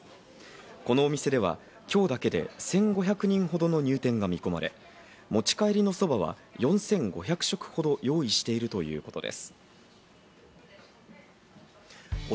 このお店では今日だけで１５００人ほどの入店が見込まれ、持ち帰りのそばは４５００食ほど用意しているということです。